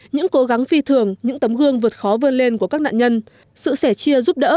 những cố gắng phi thường những tấm gương vượt khó vươn lên của các nạn nhân sự sẻ chia giúp đỡ